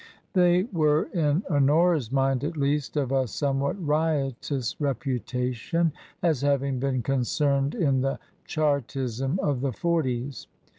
They were, in Honora's mind at least, of a somewhat riotous reputation as having been concerned in the Chartism of the forties.